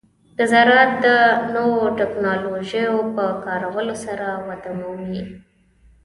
د زراعت د نوو ټکنالوژیو په کارولو سره وده مومي.